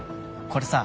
これさ